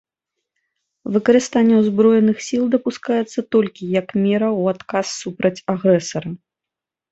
Выкарыстанне ўзброеных сіл дапускаецца толькі як мера ў адказ супраць агрэсара.